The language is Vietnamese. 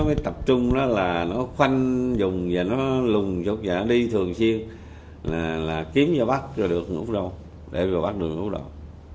úc râu để bắt được úc râu